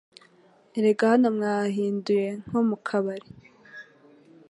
Erega hano mwahahinduye nko mu kabari!